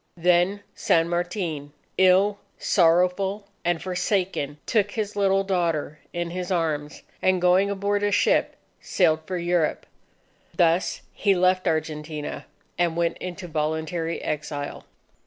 Then San Martin, ill, sorrowful, and forsaken, took his little daughter in his arms, and going aboard a ship sailed for Europe. Thus he left Argentina, and went into voluntary exile.